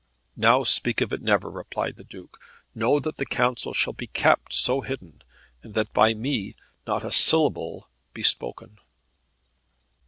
"Now speak of it never," replied the Duke. "Know that the counsel shall be kept so hidden, that by me shall not a syllable be spoken."